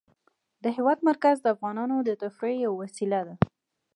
د هېواد مرکز د افغانانو د تفریح یوه وسیله ده.